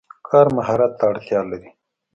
کار مهارت ته اړتیا لري.